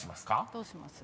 どうします？